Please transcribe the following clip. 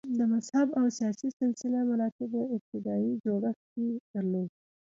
د مذهب او سیاسي سلسه مراتبو ابتدايي جوړښت یې درلود